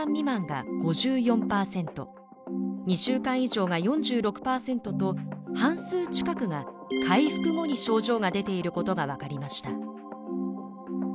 などを引き起こす半数近くが回復後に症状が出ていることが分かりました。